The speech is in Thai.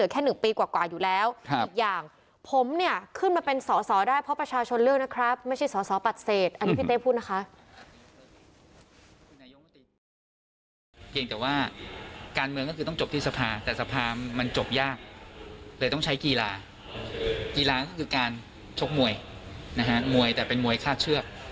กีฬาก็คือการชกมวยนะฮะมวยแต่เป็นมวยฆาตเชือก